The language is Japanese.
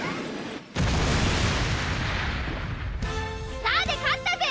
スターで勝ったぜ！